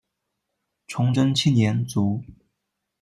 崇祯七年卒。